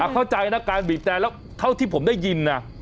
เข้าใจนะการบีบแต่แล้วเท่าที่ผมได้ยินนะ